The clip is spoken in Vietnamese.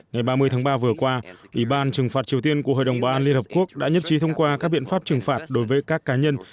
ngày ba mươi tháng ba vừa qua ủy ban trừng phạt triều tiên của hội đồng bảo an liên hợp quốc đã nhất trí thông qua các biện pháp trừng phạt đối với các cá nhân